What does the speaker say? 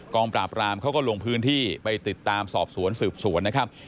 งปราบรามเขาก็ลงพื้นที่ไปติดตามสอบสวนสืบสวนนะครับ